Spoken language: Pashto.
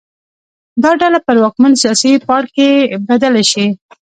دا ډله پر واکمن سیاسي پاړکي بدله شي.